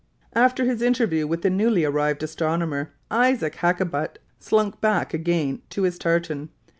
After his interview with the newly arrived astronomer, Isaac Hakkabut slunk back again to his tartan.